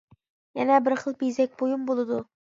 يەنە بىر خىل بېزەك بۇيۇم بولىدۇ.